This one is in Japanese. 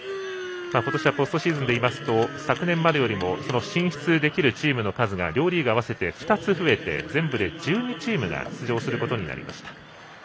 今年はポストシーズンでいうと昨年までよりも進出できるチームの数が両リーグ合わせて２つ増えて、全部で１２チームが出場することになりました。